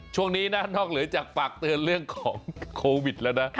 ช่วงนี้นะนอกเหนือจากฝากเตือนเรื่องของโควิดแล้วนะ